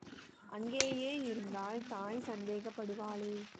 அங்கேயே இருந்தால் தாய் சந்தேகப் படுவாளே!